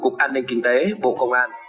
cục an ninh kinh tế bộ công an